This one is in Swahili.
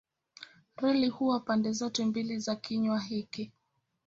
Reli huwa pande zote mbili za kinywa hiki.